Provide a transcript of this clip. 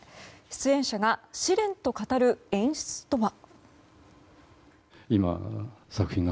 出演者が試練と語る演出とは？